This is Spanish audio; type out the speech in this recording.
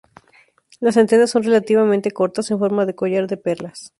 Las antenas son relativamente cortas, en forma de collar de perlas.